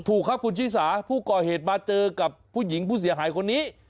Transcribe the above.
ถูกครับคุณชิสาผู้ก่อเหตุมาเจอกับผู้หญิงผู้เสียหายคนนี้